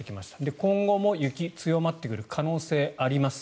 今後も雪強まってくる可能性があります。